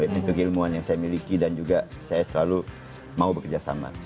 pintu ilmu yang saya miliki dan juga saya selalu mau bekerjasama